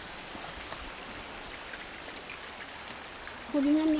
これがね